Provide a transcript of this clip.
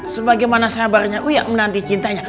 sebagaimana sabarnya uya menanti cintanya